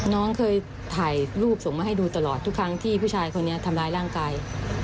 น้องเคยถ่ายรูปส่งมาให้ดูตลอดทุกครั้งที่ผู้ชายคนนี้ทำร้ายร่างกาย